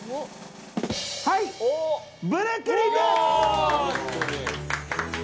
ブルックリンです！